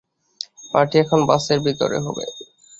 Party এখন বাসের ভিতরে হবে।